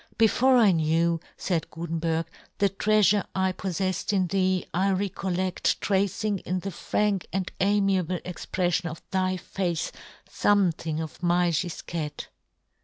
" Before I knew," faid Gutenberg, " the treafure I pofTeffed in thee, I " recoUedl tracing in the frank and " amiable expreflion of thy face " fomething of my Gifquette."